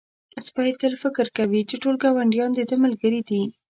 سپی تل فکر کوي چې ټول ګاونډیان د ده ملګري دي.